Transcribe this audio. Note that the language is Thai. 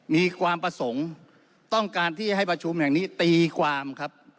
มีความประสงค์ต้องการที่ให้ประชุมแห่งนี้ตีความครับ